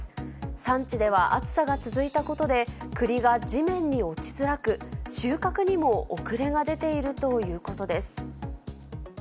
産地では暑さが続いたことで、栗が地面に落ちづらく、収穫にも遅れが出ているということです。